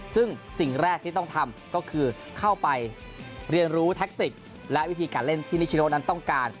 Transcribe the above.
ซึ่งสิ่งแรกที่ต้องทำก็คือเข้าไปเรียนรู้แทคติกและวิธีการเล่นที่นิชโนนั้นต้องการ